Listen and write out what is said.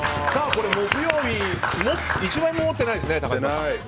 これ、木曜日は、１枚も持ってないんですね高嶋さん。